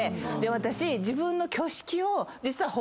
私。